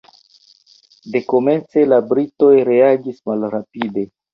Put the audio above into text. Dekomence la britoj reagis malrapide.